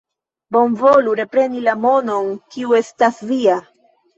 Bonvolu repreni la monon, kiu estas via.